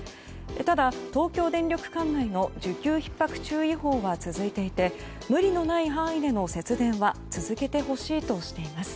ただ、東京電力管内の需給ひっ迫注意報は続いていて無理のない範囲での節電は続けてほしいとしています。